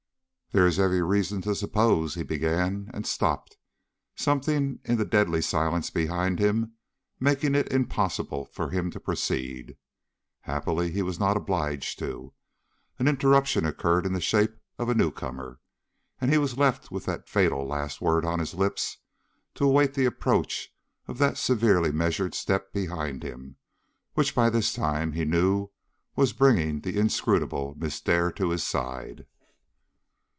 "There is every reason to suppose " he began, and stopped, something in the deadly silence behind him making it impossible for him to proceed. Happily he was not obliged to. An interruption occurred in the shape of a new comer, and he was left with the fatal word on his lips to await the approach of that severely measured step behind him, which by this time he knew was bringing the inscrutable Miss Dare to his side.